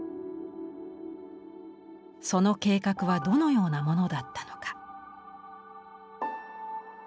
その計画はどのようなものだったのか。